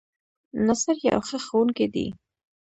ناصر يو ښۀ ښوونکی دی